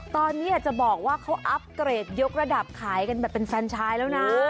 ตอนนี้อยากจะบอกว่าเขาอัพเกรดยกระดับขายกันแบบเป็นแฟนชายแล้วนะ